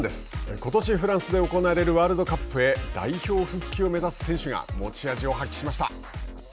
ことしフランスで行われるワールドカップへ代表復帰を目指す選手が持ち味を発揮しました。